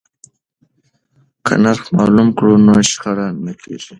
که نرخ معلوم کړو نو شخړه نه کیږي.